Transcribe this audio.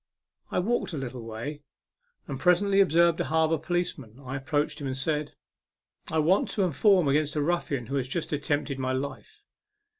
I walked a little way, and presently observed a harbour police man. I approached him, and said " I want to inform against a ruffian who has just attempted my life."